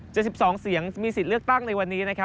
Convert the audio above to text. จะ๑๒เสียงมีสิทธิ์เลือกตั้งในวันนี้